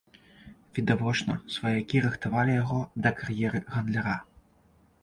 Відавочна, сваякі рыхтавалі яго да кар'еры гандляра.